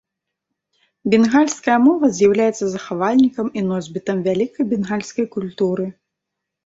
Бенгальская мова з'яўляецца захавальнікам і носьбітам вялікай бенгальскай культуры.